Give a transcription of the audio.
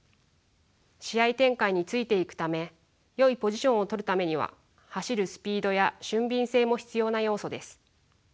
試合展開についていくためよいポジションを取るためには走るスピードや俊敏性も必要な要素です。